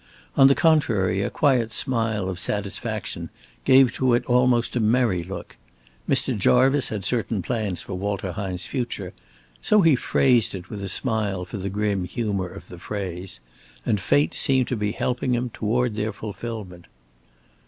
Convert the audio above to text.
On the contrary, a quiet smile of satisfaction gave to it almost a merry look. Mr. Jarvice had certain plans for Walter Hine's future so he phrased it with a smile for the grim humor of the phrase and fate seemed to be helping toward their fulfilment.